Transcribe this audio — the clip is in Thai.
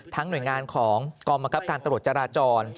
ทั้งหน่วยงานของกรมกรับการตำรวจจราจร